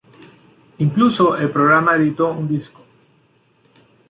Incluso el programa editó un disco.